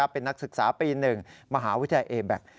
เป็นนักศึกษาปี๑มหาวิทยาลัยเอแบ็ค